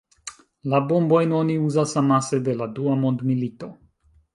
La bombojn oni uzas amase de la dua mondmilito.